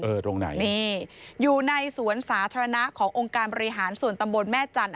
ตรงไหนนี่อยู่ในสวนสาธารณะขององค์การบริหารส่วนตำบลแม่จันท